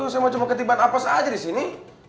saya mah cuma ketibaan apes aja di sini